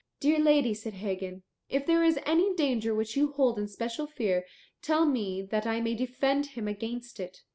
"Dear lady," said Hagen, "if there is any danger which you hold in special fear, tell me that I may defend him against it."